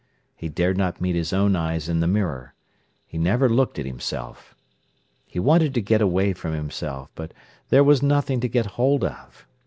He dared not meet his own eyes in the mirror; he never looked at himself. He wanted to get away from himself, but there was nothing to get hold of.